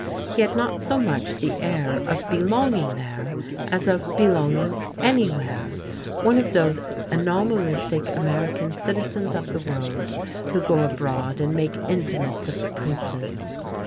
He had not so much the air of belonging there, as of belonging anywhere one of those anomalistic American citizens of the world who go abroad and make intimates of princes.